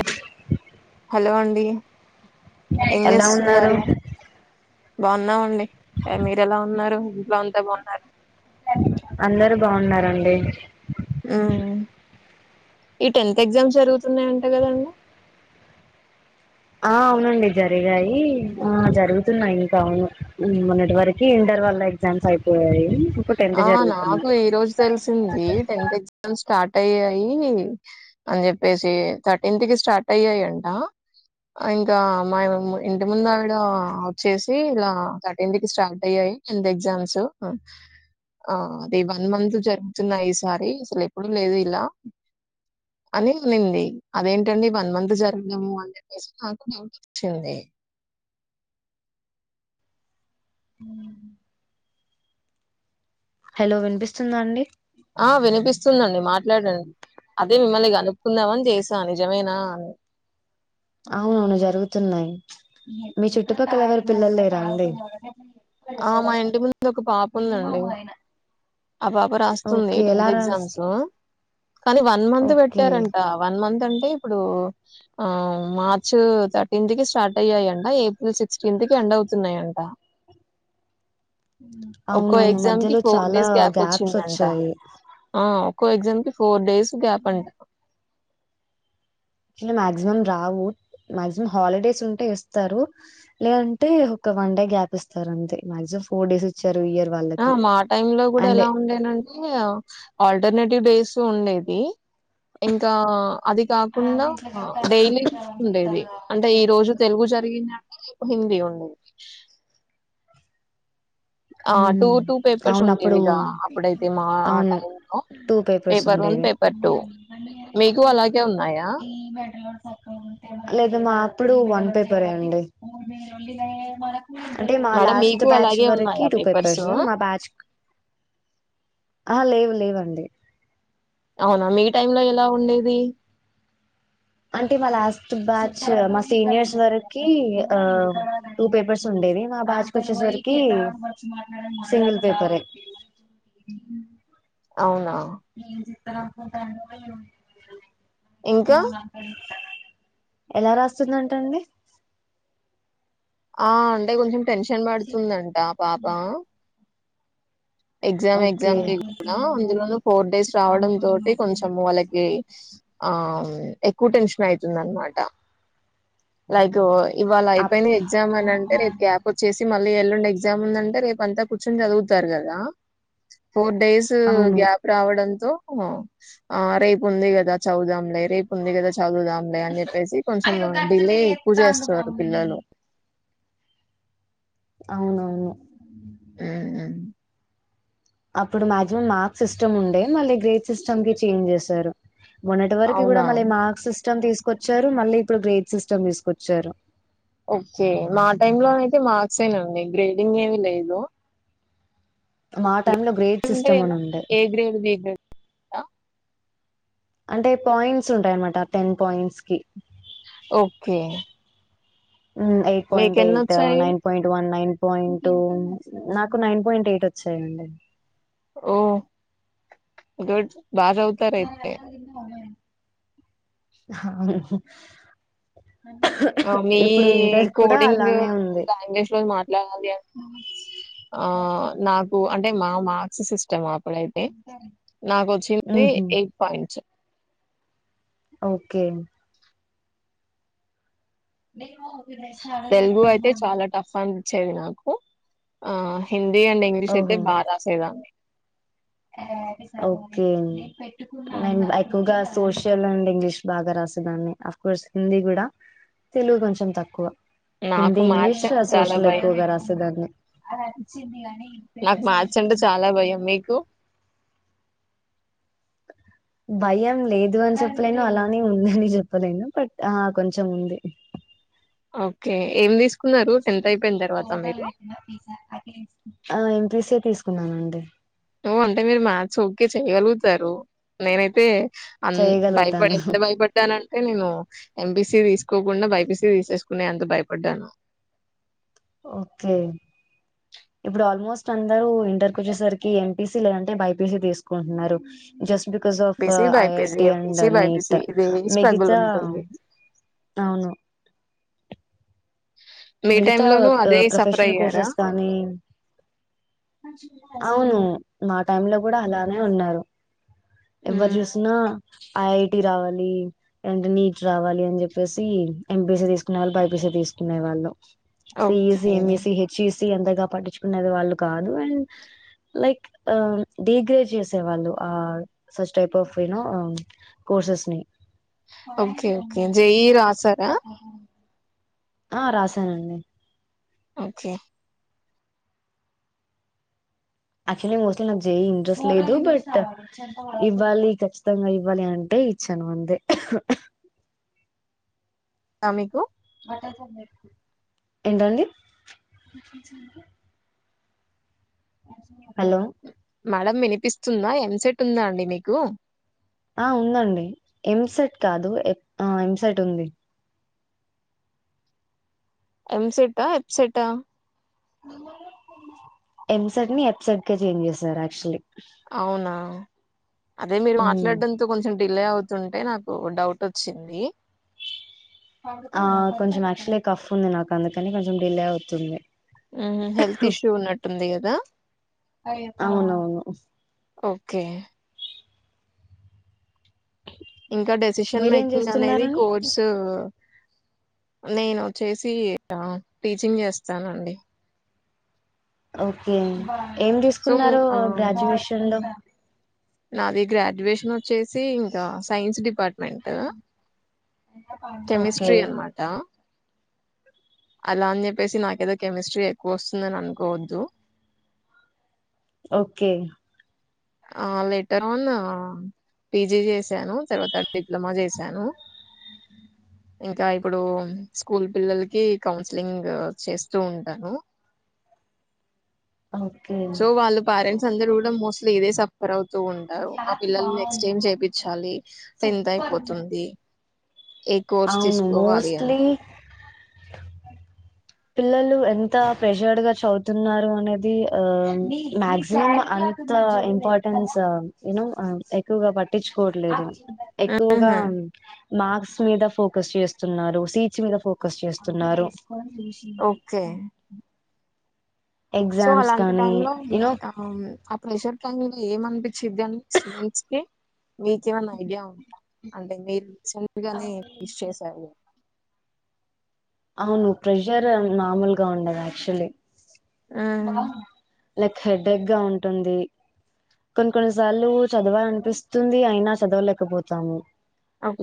అదే హలో అండి ఏం ఎలా ఉన్నారు చేస్తున్నారు బాగున్నామండి మీరు ఎలా ఉన్నారు ఇంట్లో అంతా బాగున్నారా అందరు బాగున్నారండి ఆ ఈ టెన్త్ ఎగ్జామ్స్ జరుగుతున్నాయంట కదండి ఆ అవునండి జరిగాయి ఆ జరుగుతున్నాయి ఇంకా అవును మొన్నటి వరకి ఇంటర్ వాళ్ళ ఎగ్జామ్స్ అయిపోయాయి ఇప్పుడు టెన్త్ ఆ నాకు జరుగుతున్నాయి ఈ రోజు తెలిసింది టెన్త్ ఎగ్జామ్ స్టార్ట్ ర్ట్ అయ్యాయి అని చెప్పేసి థర్టీన్త్ కి స్టార్ట్ అయ్యాయి అంట ఇంకా మా ఇంటి ముందు ఆవిడ వచ్చేసి ఇలా థర్టీన్ కి స్టార్ట్ అయ్యాయి ఎంత ఎగ్జామ్స్ ఆ అది వన్ మంత్ జరుగుతున్నా ఈసారి అసలు ఎప్పుడు లేదు ఇలా అని అనింది అదేంటండి వన్ మంత్ జరగలేము అని చెప్పేసి నాకు డౌట్ వచ్చింది అ హలో వినిపిస్తుందా అండి ఆ వినిపిస్తుందండి మాట్లాడండి అదే మిమ్మల్ని కనుపుకుందామని చేసా నిజమేనా అని అవునవును జరుగుతున్నాయి మీ చుట్టుపక్కల ఎవరి పిల్లలేరా అండి ఆ మా ఇంటి ముందు ఒక పాప ఉందండి ఆ పాప రాస్తుంది ఓకే ఎలా టెన్త్ రాస్ ఎగ్జామ్స్ కానీ వన్ మంత్ ఓకే పెట్టారంట వన్ మంత్ అంటే ఇప్పుడు ఆ మార్చ థర్టీన్త్ కి స్టార్ట్ అయ్యాయింట ఏప్రిల్ సిక్స్టీన్త్ కి ఎండ్ అవుతున్నాయంట ఒక్కో అవును. అవునవును ఎగ్జామ్‌కి మధ్యలో చాలా డేస్ గ్యాప్ గ్యాప్స్ వచ్చాయి గజ ఫోర్ డేస్ గ్యాప్ అంట. మాక్సిమం రావు మాక్సిమం హాలిడేస్ ఉంటే ఇస్తారు లేదంటే ఒక వన్ డే గ్యాప్ ఇస్తారు అంతే మాక్సిమం ఫోర్ డేస్ వచ్చి ఆ మా టైమ్ లో కూడా ఎలా ఉండేనంటే ఆ ఆల్టర్నేటివ్ డేస్ ఉండేది ఇంకా అది కాకుండా డైలీ ఉండేది అంటే ఈ రోజు తెలుగు జరిగిన హిందీ ఉండ ఆ టూ మ్మ్ టూ పేపర్స్ అవును అప్పుడు ఉండేవిద అప్పుడైతే మా ఆ అవును టై లో టూ పేపర్స్ పేపర్ వన్ ఉండేవి పేపర్ టూ మీకు అలాగే ఉన్నాయి ఈ మెలూర్ లేదా మా అప్పుడు వన్ పేపరే అండి అంటే మా మేడం లాస్ట్ మీకు బ్యాచ్ అలాగే వరకి ఉన్నాయా టూ పేపర్స్ మా బ్యాచ్ లేవు లేవు అండి అవునా మీ టై లో ఎలా ఉండేది అంటే మా లాస్ట్ బ్యాచ్ మా సీనియర్స్ వరకి టూ పేపర్స్ ఉండేవి మా బ్యాచ్ కొచ్చేస్ వరకి సింగిల్ పేపరే అవునావును ఏ చిత్రకుంట ఇంకా? ఎలా రాస్తుందంటండి ఆ అంటే కొంచెం టెన్షన్ పడుతుందంట పాప ఎగ్జామ్ ఓకే ఎగ్జామ్కిి కూడా అందులోన ఫోర్ డేస్ రావడం తోటి కొంచం వాళ్ళకి ఆ ఎక్కువ టెన్షన్ అవుతుంది అనమాట లైక్ ఇవాళ అప్ అయిపోయిన ఎగ్జామ్ అని అంటే రేపు గ్యాప్ వచ్చేసి మ మళ్ ఎల్లుం ఎగ్జామ్ ఉందంటే రేపు అంత కూర్చొని చదువుతారు కదా ఫోర్ డేస్ అవును గ్యాప్ రావడంతో ఆ ఆ రేపు ఉంది కదా చౌదాంలే రేపు ఉంది కదా చదువుదాంలే అని చెప్పేసి కొంచెం డిలే ఎక్కువ చేస్తారు పిల్లలు అవునవును ఊహ్మ్ హ్మ్ అప్పుడు మాక్సిమం మార్క్ సిస్టమ్ ఉండే, మళ్ళీ గ్రేడ్ సిస్టమ్ కి చేంజ్ చేశారు. మొన్నటి వరకి కూడా అవునా? మళ్ళీ మార్క్స్ స్ స్టమ్ తీసుకొచ్చారు మళ్ళీ ఇప్పుడు గ్రేట్ సిస్టమ్ తీసుకొచ్చారు. ఓకే మా టైమ్ లో నయితే మార్క్స యేనండి, గ్రేడింగ్ ఏమి లేదు. మా టైమ్ లో గ్రేడ్ అంటే సిస్టమ్ అని ఎలా ఉండే ఏ గ్రేడ్ బి గ్రేడ్ ఆ అంటే పాయింట్స్ ఉంటాయన్నమాట, టెన్ పాయింట్స్ కి okay hmm eight point eight మీకెన్నొచ్చాయి nine point one nine point నాకు నైన్ పాయింట్ ఎయిట్ వచ్చాయండి ఓ గుడ్ బాగా చదువుతారు అయితే హా ఆ మీ కోడింగ్ అలానే ఉంది. లాంగ్వేజ్ లోని మాట్లాడాలి అంటే ఆ నాకు అంటే మా మార్క్స్ సిస్ స్టమ్ అప్పుడైతే నాకొచ్చింది హుహు. ఎయిట్ పాయింట్స్ ఓకే నేను తెలుగు అయితే చాలా టఫ్ అం పిచ్చేవి నాకు ఆ హిం దీ అండ్ ఇంగ్లీష్ అయితే ఓహో! బా రాసేదాన్ని. ఓకే అండ్ ఎక్కువగా సోషల్ అండ్ ఇంగ్లీష్ బాగా రాసేదాన్ని, అఫ్ కోర్స్ హిందీ కూడా తెలుగు కొంచెం తక్కువ నాకు హిందీ మ్యాథ్స్ ఇంగ్లీష్ ఆ అంటే చాలా సోషల్ భయం ఎక్కువగా రాసేదాన్ని నాకు మ్యాథ్స్ అంటే చాలా భయం మీకు భయం లేదు అని చెప్పలేను అలా అని ఉందని చెప్పలేను, బట్ హా కొంచెం ఉంది. ఓకే ఏం తీస్ ఆ ఎం పీ సీ తీసుకున్నానండి. నువ్వు అంటే మీరు మ్యాథ్స్ ఓకే చేయగలుగుతారు నేనైతే అంద్ భయపడి చేయగలుగుతాను ఎంత భయపడ్డానంటే నేను ఎం పీ సీ తీసుకోకుండా బై పీ సి తీసేసుకని ఎంత భయపడ్డాను? ఓకే ఇప్పుడు ఆల్మోస్ట్ అందరు ఇంటర్కొచ్చే సరికి ఎం పీ సీ లేదంటే బై పీ సి తీసుకుంటున్నారు just because of BC, I I BiPC, టి అండ్ ఎంపీసీ, నీ ట్ బైపీసీ ఇదే స్ట్రగుల్ మిగతా ఉంటుంది. అవును మీ మిగతా టైంలోనూ అదే సఫర్ ప్రొఫెషనల్ అయ్యారా? కోర్సెస్ కానీ అవును మా టైంలో కూడా అలానే ఉన్నారు ఎవరు హ్మ్. చూసినా ఐఐటి రావాలి అండ్ నీట్ రావాలి అని చెప్పేసి ఎంపీసీ తీసుకునే వాళ్ళు బైపీసీ తీసుకునే వాళ్ళు ఓకే. సిఈసి ఎంఈసి హెచ్ఈసి అంతగా పట్టించుకునేది వాళ్ళు కాదు అండ్ లైక్ డిగ్రేడ్ చేసే వాళ్ళు ఆ such type of no courses ని ఓకే. తే ఓకే. జేఈఈ రాసారా? ఆ రాసానండి ఓకే యాక్చువల్లీ మోస్ట్లీ నాకు చేయి ఇంట్రెస్ట్ లేదు బట్ ఇవ్వాలి ఖచ్చితంగా ఇవ్వాలి అంటే ఇచ్చాను మందే మీకు ఏంటండి హలో మళ వినిపిస్తుందా ఎంసెట్ ఉందా అండి మీకు ఆ ఉందండి ఎంసెట్ కాదు ఎ ఎంసెట్ ఉంది ఎంసెట్ ఎప్సెట్ ఎంసెడ్ ని ఎఫసెడ్ క చేంజ్ చేసారు యాక్చువల్లీ అవునా అదే మీరు మాట్లాడంతో కొంచెం డిలే అవుతుంటే నాకు డౌట్ వచ్చింది ఆ కొంచెం యాక్చువల్ కఫ్ ఉంది నాకు అందుకని కొంచెం డిలే అవుతుంది హెల్త్ ఇష్యూ ఉన్నట్టుంది కదా అవునవును ఓకే ఓకే ఇంకా డెసిషన్ మీరేం మేకింగ్ అనేది చేస్తున్నారండి కోర్సు నేను వచ్చేసి టీచింగ్ చేస్తానండి ఓకే ఏం సో తీసుకున్నారు ఆ గ్రాడ్యుయేషన్ లో నాది గ్రాడ్యుయేషన్ వచ్చేసి ఇంకా science department okay chemistry అనమాట అలా అని చెప్పేసి నాకేదో కెమిస్ట్రీ ఎక్కువ వస్తుందని అనుకోవద్దు ఓకే లెటర్ ఆన్ పీజీ చేశాను తర్వాత డిప్లొమా చేశాను ఇంకా ఇప్పుడు స్కూల్ పిల్లలకి కౌన్సిలింగ్ చేస్తూ ఉంటాను ఓకే సో వాళ్ళు పేరెంట్స్ అందరు కూడా మోస్ట్లీ ఇదే సబ్ ఉంటారు మా పిల్లలు నెక్స్ట్ టైం చేయిచాలి టెన్త్ అయిపోతుంది ఏ కోర్స్ అవును తీసుకోవాలి అని మోస్ట్లీ పిల్లలు ఎంత ప్రెషర్ గా చదువుతున్నారు అనేది ఆ మక్సిమం అంత ఇంపార్టెన్స్ యనో ఎక్కువగా పట్టించుకోట్లేదు ఎక్కువగా ఆహా! మార్క్స్ మీద ఫో ఫక చేస్తున్నారు సీచ్ మీద ఫోకస్ చేస్తున్నారు ఓకే సో ఎగ్జామ్స్ అలాంటి కానీ టైమ్ లో ఉంటా యూనో ఆ ఆ ప్రెషర్ ముంగా ఏమనిపించిద్దం స్టూడెంట్స్ కి మీకేమన్నా ఐడియా ఉంటా అంటే మీరు చల్లిగానే తీస్ చేసారు అవును ప్రెషర్ నార్మల్ గా ఉండదు యాక్చులీ ఆ లైక్ హెడ్క్ గా ఉంటుంది కొన్ని కొన్ని సార్లు చదవాలనిపిస్తుంది అయినా చదవలేకపోతాము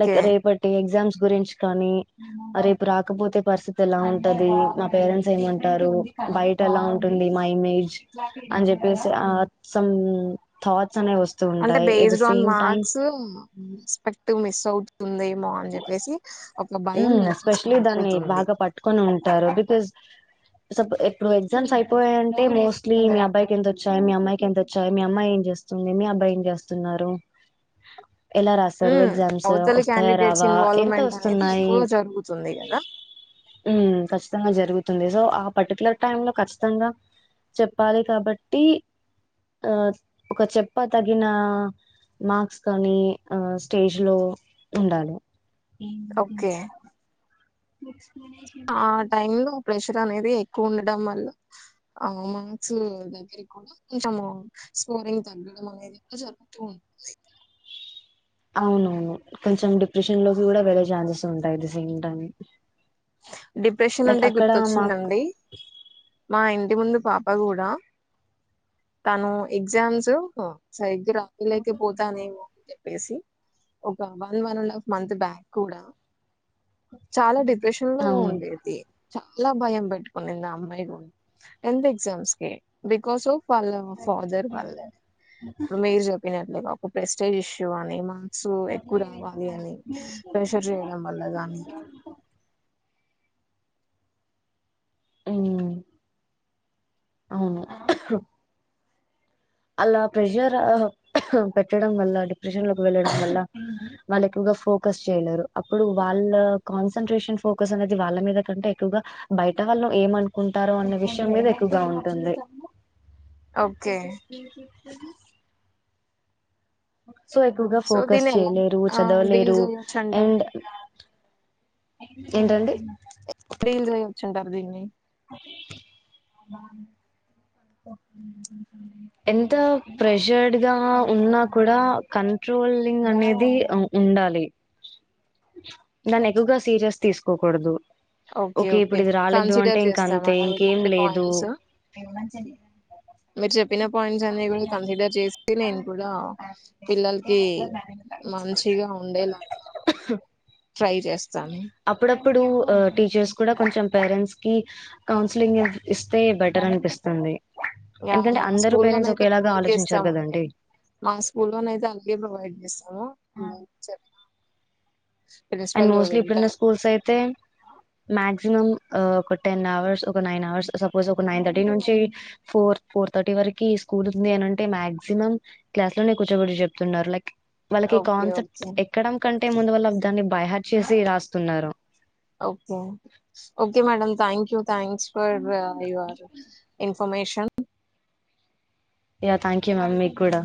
లైక్ రేపటి ఎగ్జామ్స్ గురించి కానీ రేపు రాకపోతే పరిస్థితి ఎలా ఉంటది మా పేరెంట్స్ ఏమంటారు బయట ఎలా ఉంటుంది మా ఇమేజ్ అని చెప్పేసి థాట్ అంటే based on marks expect miss అవు ఉందేమో అని చెప్పేసి ఒక భయం లోపల ఎస్పెషలీ స్టార్ట్ దాన్ని అవుతుంది. బాగా పట్టుకొని ఉంటారు బికాజ్ స ఇప్పుడు ఎగ్జామ్స్ అయిపోయాయంటే మోస్ట్లీ మీ అబ్బాయికి ఎంత వచ్చాయి మీ అమ్మాయికి ఎంత వచ్చాయి మీ అమ్మాయి ఏం చేస్తుంది మీ అబ్బాయి ఏం చేస్తున్నారు ఎలా రాస్తారు హ్మ్. ఎగ్జామ్స్ అవతలి వస్తాయ క్యాండిడేట్స్ రావా ఎంత ఇన్వాల్వ్‌మెంట్ వస్త అనేది న్నాయి ఎక్కువ జరుగుతుంది గదా! ఖచ్చితంగా జరుగు సో ఆ పర్టికులర్ టైమ్ లో ఖచ్చితంగా చెప్పాలి కాబట్టి ఆ ఒక చెప్ప తగిన మార్క్స్ కానీ ఆ స్టేజ్ లో ఉండాలి ఓకే బ ఆ టైమ్ లో ప్రెషర్ అనేది ఎక్కువ ఉండడం వల్ల ఆ మార్క్స్ దగ్గరి కూడా కొంచము స్కోరింగ్ తగ్గడం అనేది కూడా జరుగుతూ ఉంటుంది అవునవును కొంచెం డిప్రెషన్ లోకి కూడా వెళ్ళే ఛాన్సెస్ ఉంటాయి the same time depression like అంటే అక్కడ మాకు గుర్తొచ్చిందండి మా ఇంటి ముందు పాప కూడా తను ఎగ్జామ్స్ స రాంగలైతే పోత న వ చెప్పేసి ఒక one one and half month back కూడా చాలా డిప్రెషన్ లో అవును ఉండేది చాలా భయం పెట్టుకునింది నా అమ్మాయి కూడా టెన్త్ ఎగ్జామ్స్ కి బికాస్ ఆఫ్ వాళ్ళ ఫాదర్ వాళ్ళ ఇప్పుడు మీేరు జొప్పినట్లే ఒక ప్రస్టేజ్ ఇష్యూ అని సో ఎక్కువ రావాలి అని ప్రెషర్ చేయడం వల్ల కానీ అ అవును అలా ప్రెషర్ పెట్టడం వల్ల డిప్రెషన్ లోకి వెళ్ళడం వల్ల వాళ్ళు ఎక్కువగా ఫోకస్ చేయలేరు అప్పుడు వాళ్ళ కాన్సన్ంట్రేషన్ ఫోకస్ అనేది వాళ్ళ మీద కంటే ఎక్కువగా బయట వాళ్ళ ఏమనుకుంటారో అన్న విషయం మీద ఎక్కువగా ఉంటుంది ఓకే అ సో ఎక్కువగా సో ఫోకస్ దీన్ని ఎలా చేయలేరు ఆ డీల్ చదవలేరు చేయొచ్చు అంటారు అండ్. ఏంటండి డీల్ వచ్చుంటారు దీన్ని ఎంత ప్రెషాడ్ గా ఉన్నా కూడా కంట్రోలింగ్ అనేది ఉండాలి దన్ని ఎక్కువగా సీరియస్ తీసుకోకూడదు ఓకే ఓకే ఇప్పుడు ఇది రాలేదు అంటే కన్సిడర్ ఇంక చేస్తా అంతే మేడం ఇంకేం ఇలాంటి లేదు పాయింట్స్ మీరు చెప్పిన పాయింట్స్ అన్ని కూడా కన్సిడర్ చేసి నేను కూడా పిల్లలకి మంచిగా ఉండేలాగా ట్రై చేస్తాను అప్పుడు టీచర్స్ కూడా కొంచెం పేరెంట్స్ కి కౌన్సిలింగ్ ఇస్తే బెటర్ అనిపిస్తుంది ఎందుకంటే మా అందరూ స్కూల్ లోన్ పేరెంట్స్ అయితే ఒకేలాగా ప్రొవైడ్ ఆలోచించారు చేస్తామ అండి కదండి. మా స్కూల్ లోన అయితే అన్ని ప్రొవైడ్ చేస్తాము నేను చెప్తాను అండ్ మోస్ట్లీ ఇప్పుడున్న వింటారు స్కూల్స్ అయితే మాక్సిమం ఒక టెన్ అవర్స్ ఒక నైన్ అవర్స్ సపోజ్ ఒక నైన్ థర్టీ నుంచి ఫోర్ ఫోర్ థర్టీ వరకి స్కూల్ ఉంది అనింటే మాక్సిమం క్లాస్ లోనే కూర్చోబట్ చెప్తున్నారు లైక్ వాళ్ళకి ఈ ఓకే కాన్సెప్ట్ ఓకే ఎక్కడం కంటే ముందు వల్ల దాన్ని ఆడ్ చేసి రాస్తున్నార. Okay okay madam thank you thanks for your info information yeah thank you ma'am మీ కూడా